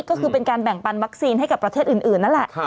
ก็คือเป็นการแบ่งปันวัคซีนให้กับประเทศอื่นนั่นแหละ